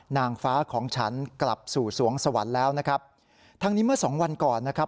นางฟ้าของฉันกลับสู่สวงสวรรค์แล้วนะครับทั้งนี้เมื่อสองวันก่อนนะครับ